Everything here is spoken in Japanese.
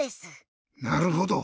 なるほど！